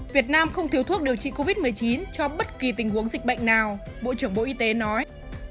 việt nam không thiếu thuốc điều trị covid một mươi chín cho bất kỳ tình huống dịch bệnh nào bộ trưởng bộ y tế nói